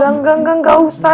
engga engga engga gak usah